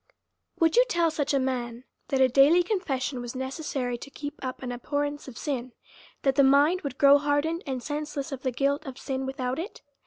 Would you tell such a man, that a daily confession was necessary to keep up an abhorrence of sin, that the mind would grow hardened and senseless of the guilt of sin without it?